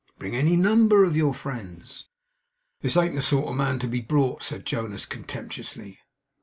'Bring any number of your friends!' 'This ain't the sort of man to be brought,' said Jonas, contemptuously.